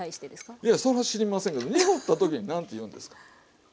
いやそれは知りませんけど濁った時に何て言うんですか？